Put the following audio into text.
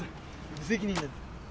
無責任な。